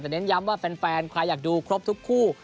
แต่เน้นย้ำว่าแฟนใครอยากดูครบทุกคู่